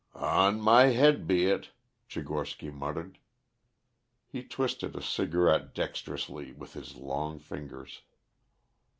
"On my head be it," Tchigorsky muttered. He twisted a cigarette dexterously with his long fingers.